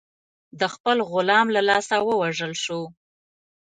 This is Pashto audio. د خپل غلام له لاسه ووژل شو.